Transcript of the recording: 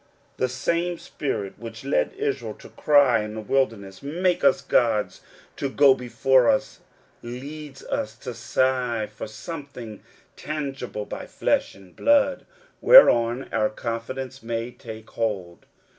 The same spirit which led Israel to cry in the wilderness, " Make us gods to go before us, leads us to sigh for something tangible by flesh and blood, whereon our confidence may take hold.